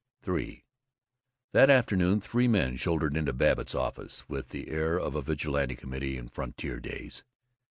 III That afternoon three men shouldered into Babbitt's office with the air of a Vigilante committee in frontier days.